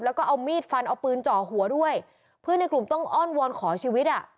แล้วก็เอามีดฟันเอาปืนเจาะหัวด้วยเพื่อนในกลุ่มต้องอ้อนวอนขอชีวิตอ่ะ